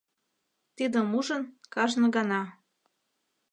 Тидым ужын, кажне гана